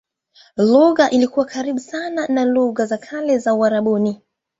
Lugha ilikuwa karibu sana na lugha za kale za Uarabuni.